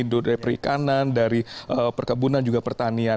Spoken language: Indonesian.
dari perikanan dari perkebunan juga pertanian